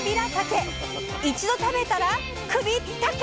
一度食べたら首ったけ！